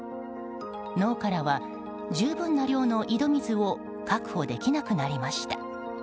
農家らは、十分な量の井戸水を確保できなくなりました。